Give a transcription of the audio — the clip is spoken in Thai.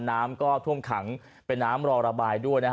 น้ำก็ท่วมขังเป็นน้ำรอระบายด้วย